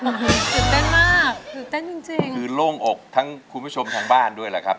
ตื่นเต้นมากตื่นเต้นจริงจริงคือโล่งอกทั้งคุณผู้ชมทางบ้านด้วยแหละครับ